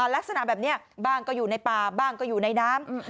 ลักษณะแบบนี้บ้างก็อยู่ในป่าบ้างก็อยู่ในน้ำ